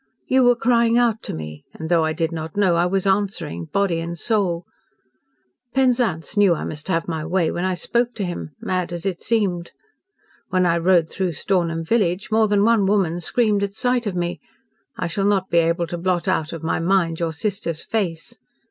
You were crying out to me, and though I did not know, I was answering, body and soul. Penzance knew I must have my way when I spoke to him mad as it seemed. When I rode through Stornham village, more than one woman screamed at sight of me. I shall not be able to blot out of my mind your sister's face.